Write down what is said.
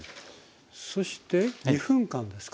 そして２分間ですか？